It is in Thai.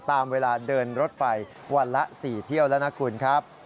ตามเวลาเดินรถไฟวันละ๔เที่ยวแล้วนะคุณครับ